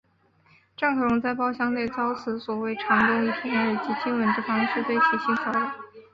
郑可荣在包厢内遭此所谓长官以舔耳及亲吻之方式对其性骚扰。